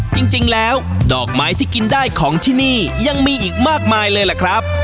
จริงแล้วดอกไม้ที่กินได้ของที่นี่ยังมีอีกมากมายเลยล่ะครับ